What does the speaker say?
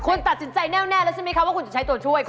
คุณตัดสินใจแน่วแน่แล้วใช่ไหมคะว่าคุณจะใช้ตัวช่วย